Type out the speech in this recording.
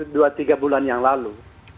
dua tiga bulan yang lalu